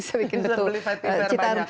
bisa bikin betul citar